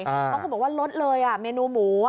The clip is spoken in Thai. เขาก็บอกว่าลดเลยเมนูหมู